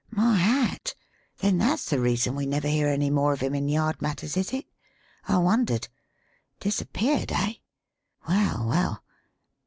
"My hat! Then that's the reason we never hear any more of him in Yard matters, is it? I wondered! Disappeared, eh? Well, well!